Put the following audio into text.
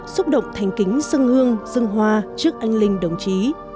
xúc động thành kính dân hương dân hoa trước anh linh đồng chí